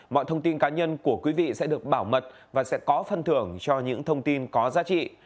mọi thông tin cá nhân của quý vị sẽ được bảo mật và sẽ có phân thưởng cho những thông tin có giá trị